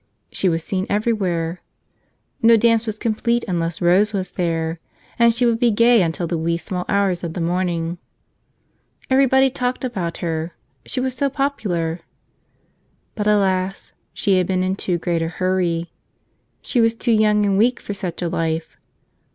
She was seen everywhere; no dance was complete un¬ less Rose was there; and she would be gay until the 34 How a Little Rose Died wee small hours of the morning. Everybody talked about her; she was so popular. But alas! she had been in too great a hurry. She was too young and weak for such a life.